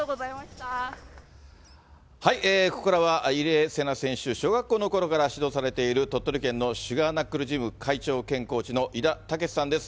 ここからは、入江聖奈選手、小学校のころから指導されている、鳥取県のシュガーナックルジム、会長兼コーチの伊田武志さんです。